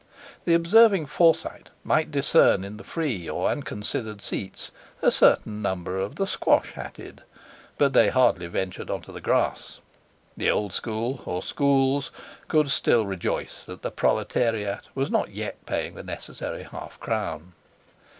The observing Forsyte might discern in the free or unconsidered seats a certain number of the squash hatted, but they hardly ventured on the grass; the old school—or schools—could still rejoice that the proletariat was not yet paying the necessary half crown.